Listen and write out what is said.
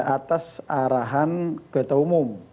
atas arahan ketua umum